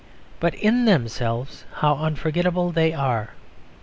But in themselves how unforgettable they are.